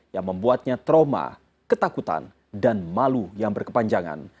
yang membuatnya trauma ketakutan dan malu yang berkepanjangan